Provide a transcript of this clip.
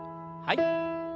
はい。